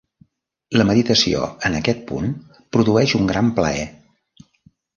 La meditació en aquest punt produeix un gran plaer.